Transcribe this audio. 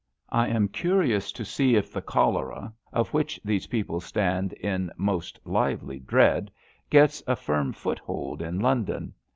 I am curious to see if the cholera, of which these people stand in most lively dread, gets a firm foothold in London.